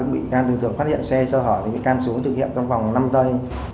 bị can thường phát hiện xe sơ hở thì bị can xuống thực hiện trong vòng năm giây